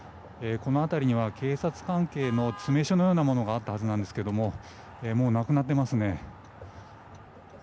この辺りには警察関係の詰め所のようなものがあったはずなんですがもうなくなっていますね。